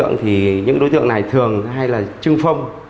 những đối tượng này thường hay chưng phông